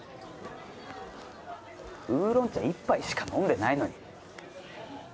ウーロン茶１杯しか飲んでないのに。